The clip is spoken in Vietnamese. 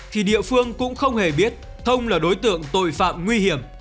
thì địa phương cũng không hề biết thông là đối tượng tội phạm nguy hiểm